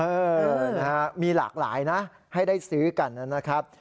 เออนะฮะมีหลากหลายนะให้ได้ซื้อกันนะครับ